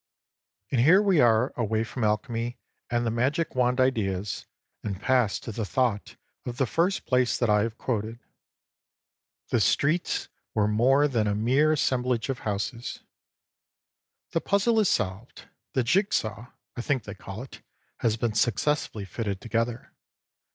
And here we are away from alchemy and the magic wand ideas, and pass to the thought of the first place that I have quoted :" the streets were more x PREFACE than a mere assemblage of houses" The puzzle is solved; the jig saw / think they call it has been successfully fitted together.